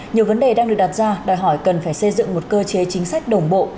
nhiều vấn đề đang được đặt ra đòi hỏi cần phải xây dựng một cơ chế chính sách đồng bộ